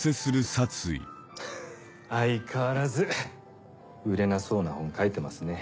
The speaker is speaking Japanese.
ハッ相変わらず売れなそうな本書いてますね。